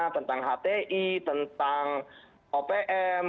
tentang hti tentang opm